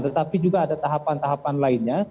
tetapi juga ada tahapan tahapan lainnya